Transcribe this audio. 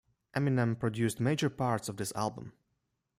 Eminem produced major parts of this album.